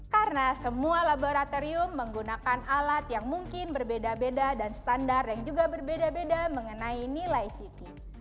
karena semua laboratorium menggunakan alat yang mungkin berbeda beda dan standar yang juga berbeda beda mengenai nilai ct